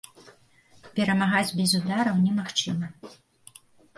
Перамагаць без удараў немагчыма.